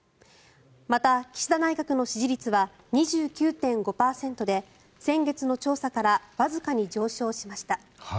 また、岸田内閣の支持率は２９．５％で先月の調査からわずかに上昇しました。